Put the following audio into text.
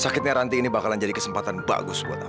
sakitnya ranti ini bakalan jadi kesempatan bagus buat aku